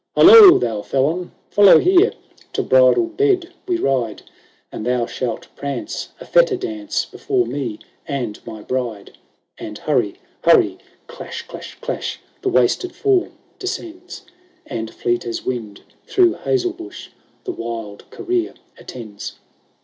" Hollo ! thou felon, follow here : To bridal bed we ride; And thou shalt prance a fetter dance Before me and my bride." LII And hurry, hurry ! clash, clash, clash ! The wasted form descends ; And fleet as wind through hazel bush The wild career attends.